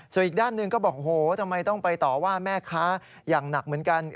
ส่วนอีกด้านหนึ่งก็บอกโหทำไมต้องไปต่อว่าแม่ค้าอย่างหนักเหมือนกัน